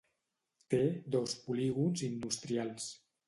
Té dos polígons industrials.